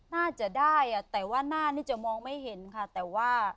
น่าจะได้แต่ว่าหน้านี่จะมองไม่เห็นค่ะแต่ว่า